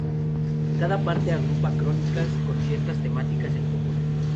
Cada parte agrupa crónicas con ciertas temáticas en común.